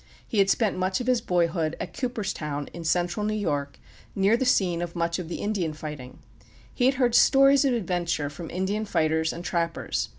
He had spent much of his boyhood at Cooperstown, in central New York, near the scene of much of the Indian fighting. He had heard stories of adventure from Indian fighters and trappers.